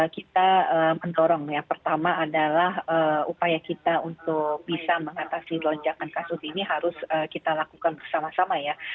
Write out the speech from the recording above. kita mendorong ya pertama adalah upaya kita untuk bisa mengatasi lonjakan kasus ini harus kita lakukan bersama sama ya